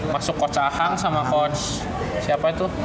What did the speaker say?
masuk coach ahang sama coach siapa itu